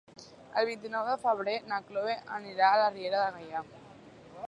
El vint-i-nou de febrer na Cloè anirà a la Riera de Gaià.